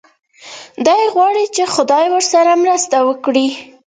دی غواړي چې خدای ورسره مرسته وکړي.